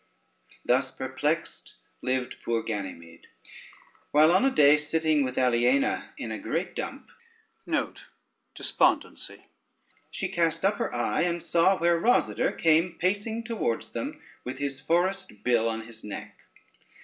Thus perplexed lived poor Ganymede, while on a day, sitting with Aliena in a great dump, she cast up her eye, and saw where Rosader came pacing towards them with his forest bill on his neck.